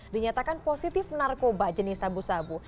dinyatakan positif narkoba jenis sabu sabu